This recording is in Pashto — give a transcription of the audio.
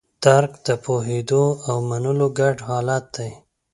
درک د پوهېدو او منلو ګډ حالت دی.